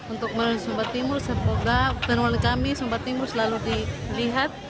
untuk melalui sumba timur semoga teknologi kami sumba timur selalu dilihat